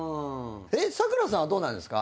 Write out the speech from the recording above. サクラさんはどうなんですか？